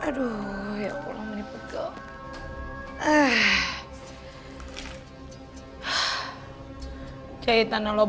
hai aduh ya pulang nih pegang enggak beres beres